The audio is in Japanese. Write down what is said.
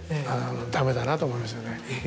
ダメだなと思いますよね。